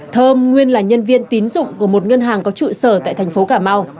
thơm nguyên là nhân viên tín dụng của một ngân hàng có trụ sở tại thành phố cà mau